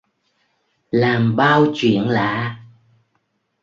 Làm bao chuyện lạ